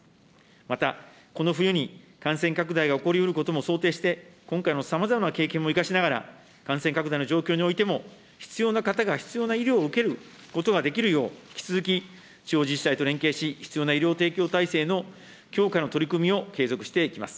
また、この冬に感染拡大が起こりうることも想定して、今回のさまざまな経験を生かしながら感染拡大の状況においても、必要な方が必要な医療を受けることができるよう、引き続き地方自治体と連携し、必要な医療提供体制の強化の取り組みを継続していきます。